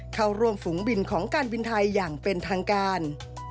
เข้าร่วมฝูงบินของการบินไทยอย่างเป็นทางการ